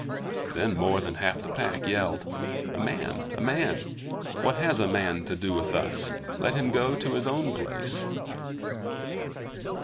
Then more than half the Pack yelled: "A man! A man! What has a man to do with us? Let him go to his own place."